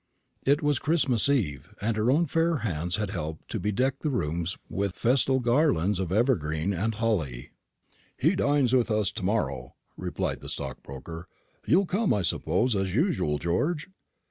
It was Christmas eve, and her own fair hands had helped to bedeck the rooms with festal garlands of evergreen and holly. "He dines with us to morrow," replied the stockbroker. "You'll come, I suppose, as usual, George?"